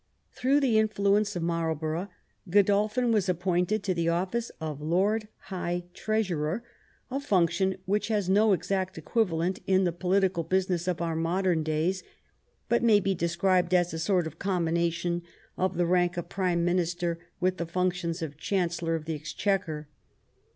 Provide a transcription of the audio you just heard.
Through the influence of Marl borough, Godolphin was appointed to the office of Lord High Treasurer, a function which has no exact equiva lent in the political business of our modern days, but may be described as a sort of combination of the rank of prime minister with the functions of Chancellor of the Exchequer.